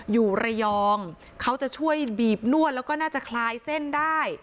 อยู่ระยองเขาจะช่วยบีบนวดแล้วก็น่าจะคลายเส้นได้